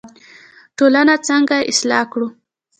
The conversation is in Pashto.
ټولنه څنګه اصلاح کړو؟